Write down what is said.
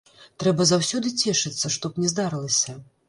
Трэба заўсёды цешыцца, што б ні здарылася.